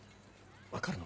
分かるの？